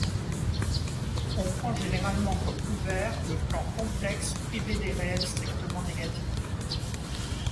On prend généralement comme ouvert le plan complexe privé des réels strictement négatifs.